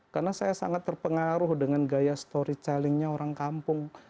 karena saya sangat terpengaruh dengan gaya storytellingnya orang kampung